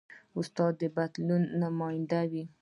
استاد د بدلون نماینده وي.